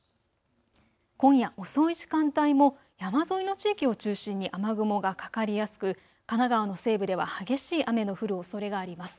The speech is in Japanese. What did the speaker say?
今夜遅い時間帯も山沿いの地域を中心に雨雲がかかりやすく神奈川の西部では激しい雨の降るおそれがあります。